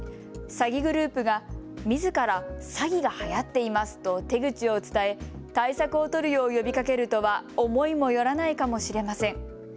詐欺グループがみずから詐欺がはやっていますと手口を伝え対策を取るよう呼びかけるとは思いもよらないかもしれません。